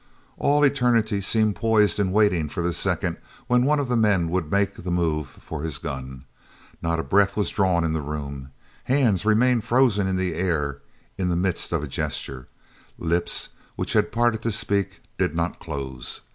All eternity seemed poised and waiting for the second when one of the men would make the move for his gun. Not a breath was drawn in the room. Hands remained frozen in air in the midst of a gesture. Lips which had parted to speak did not close.